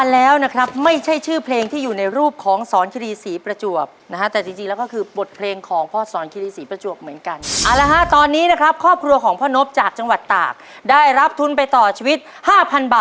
เพราะฉะนั้นพลาดไม่ได้เลยแม้แต่ข้อเดียว